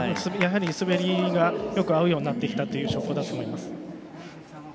やはり、滑りがよく合うようになってきた証拠だと思います。